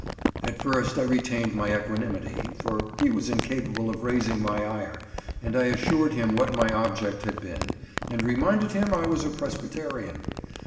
At first I retained my equanimity, for he was incapable of raising my ire; and I assured him what my object had been, and reminded him I was a Presbyterian.